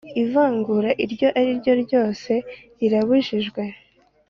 Ivangura iryo ari ryo ryose rirabujijwe.